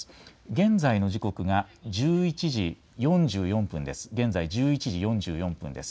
現在の時刻が１１時４４分です。